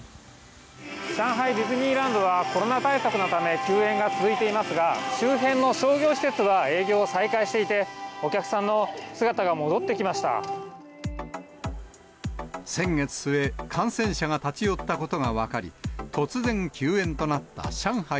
上海ディズニーランドは、コロナ対策のため、休園が続いていますが、周辺の商業施設は営業を再開していて、先月末、感染者が立ち寄ったことが分かり、突然、休園となった上海